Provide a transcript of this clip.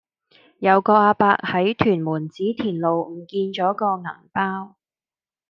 有個亞伯喺屯門紫田路唔見左個銀包